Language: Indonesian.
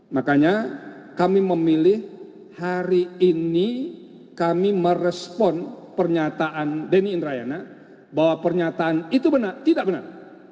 makanya kami memilih hari ini kami merespon pernyataan denny indrayana bahwa pernyataan itu benar tidak benar